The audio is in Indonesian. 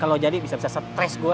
kalau jadi bisa stress gua